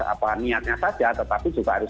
apa niatnya saja tetapi juga harus